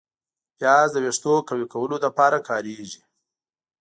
پیاز د ویښتو قوي کولو لپاره کارېږي